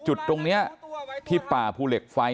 จุดตรงนี้ที่ป่าภูเหล็กไฟ